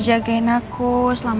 jangan bangin gaustur